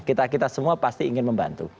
kita kita semua pasti ingin membantu